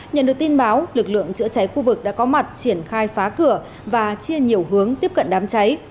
nhận được tin báo lực lượng chữa cháy khu vực đã có mặt triển khai phá cửa và chia nhiều hướng tiếp cận đám cháy